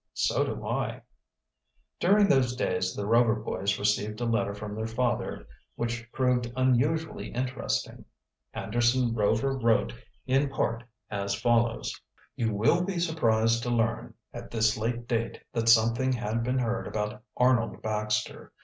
"So do I." During those days the Rover boys received a letter from their father which proved unusually interesting. Anderson Rover wrote, in part, as follows: "You will be surprised to learn, at this late day, that something had been heard about Arnold Baxter.